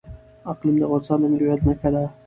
اقلیم د افغانستان د ملي هویت نښه ده.